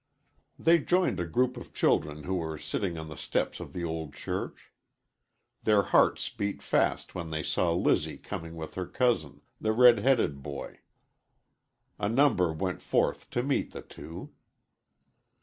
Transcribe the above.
They joined a group of children who were sitting on the steps of the old church. Their hearts beat fast when they saw Lizzie coming with her cousin, the red headed boy. A number went forth to meet the two.